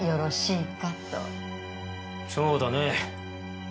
そうだね。